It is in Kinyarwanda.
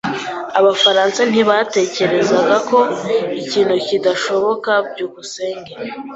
Abafaransa ntibatekereza ko ikintu kidashoboka. byukusenge